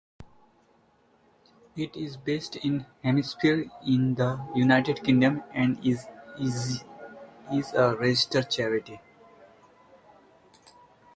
It is based in Hampshire in the United Kingdom and is a registered charity.